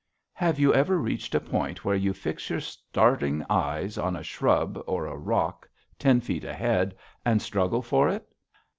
Have you ever reached a point where you fix your starting eyes on a shrub or a rock ten feet ahead and struggle for it?